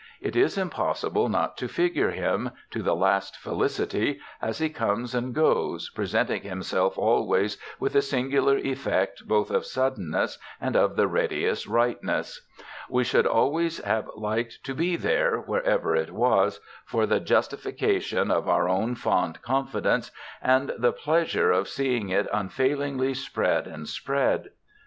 It is impossible not to figure him, to the last felicity, as he comes and goes, presenting himself always with a singular effect both of suddenness and of the readiest rightness; we should always have liked to be there, wherever it was, for the justification of our own fond confidence and the pleasure of seeing it unfailingly spread and spread.